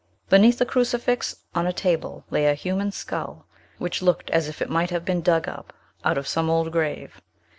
Beneath the crucifix, on a table, lay a human skull, which looked as if it might have been dug up out of some old grave.